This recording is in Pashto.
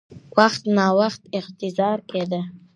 وخت ناوخت اعتراض کېده؛